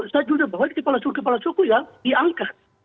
saya jujur bahwa kepala suku kepala suku yang diangkat